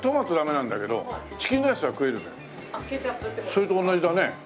それと同じだね。